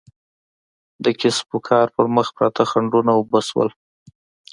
د کسب و کار پر مخ پراته خنډونه اوبه شول.